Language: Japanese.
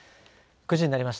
９時になりました。